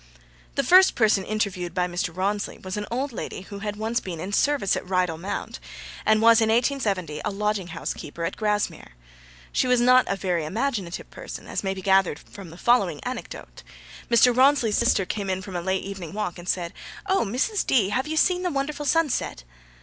The first person interviewed by Mr. Rawnsley was an old lady who had been once in service at Rydal Mount, and was, in 1870, a lodging house keeper at Grasmere. She was not a very imaginative person, as may be gathered from the following anecdote: Mr. Rawnsley's sister came in from a late evening walk, and said, 'O Mrs. D , have you seen the wonderful sunset?'